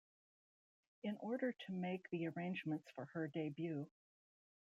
In order to make the arrangements for her debut.